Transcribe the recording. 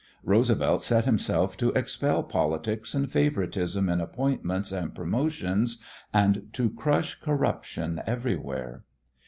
Roosevelt set himself to expel politics and favoritism in appointments and promotions and to crush corruption everywhere.